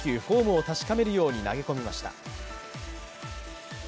フォームを確かめるように投げ込みました。